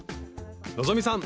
希さん